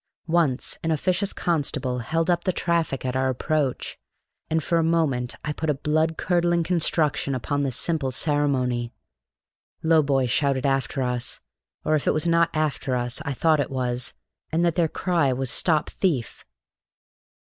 Once an officious constable held up the traffic at our approach, and for a moment I put a blood curdling construction upon the simple ceremony. Low boys shouted after us or if it was not after us, I thought it was and that their cry was "Stop thief!"